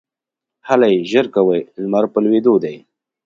هلئ ژر کوئ ! لمر په لوېدو دی